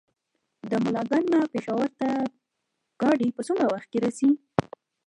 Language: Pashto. د ملاکنډ نه پېښور ته ګاډی په څومره وخت کې رسي؟